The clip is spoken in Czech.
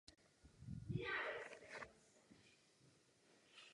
V horní střední části se nachází sovětská rudá hvězda.